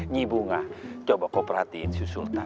nyi bunga coba kau perhatiin si sultan